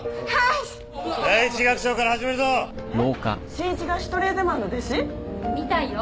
真一がシュトレーゼマンの弟子？みたいよ。